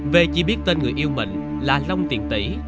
bê chỉ biết tên người yêu mình là long tiện tỷ